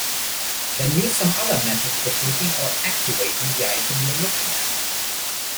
Then use some other method for clicking or "activating" the item you're looking at.